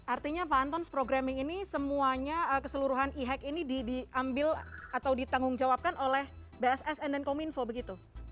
artinya pak anton programming ini semuanya keseluruhan e hack ini diambil atau ditanggungjawabkan oleh bssn dan kominfo begitu